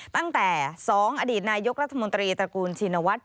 ตั้งแต่๒อดีตนายกรัฐมนตรีตระกูลชินวัฒน์